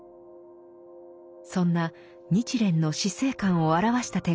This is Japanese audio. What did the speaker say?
そんな日蓮の死生観を表した手紙があります。